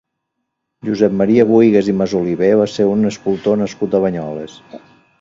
Josep Maria Bohigas i Masoliver va ser un escultor nascut a Banyoles.